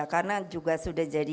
karena juga sudah jadi